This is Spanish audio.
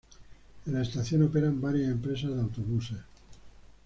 En la estación operan varias empresas de autobuses.